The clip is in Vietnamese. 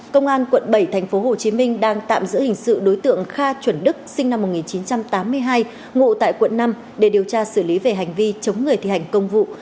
công an quận bảy tp hcm đang tạm giữ hình sự đối tượng kha chuẩn đức sinh năm một nghìn chín trăm tám mươi hai ngụ tại quận năm để điều tra xử lý về hành vi chống người thi hành công vụ